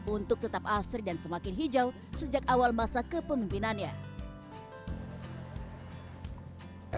untuk tetap asri dan semakin hijau sejak awal masa kepemimpinannya